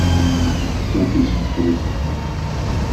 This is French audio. Je t’en fiche qu’ils feraient ça.